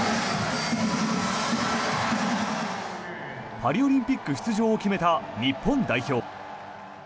パリオリンピック出場を決めた日本代表。